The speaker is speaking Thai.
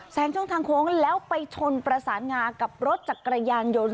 งช่องทางโค้งแล้วไปชนประสานงากับรถจักรยานยนต์